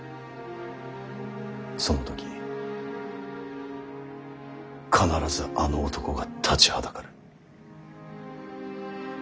その時必ずあの男が立ちはだかる。